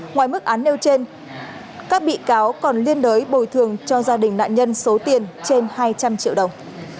ngoài mức án nêu trên các bị cáo còn liên đới bồi thường cho gia đình nạn nhân số tiền trên hai trăm linh triệu đồng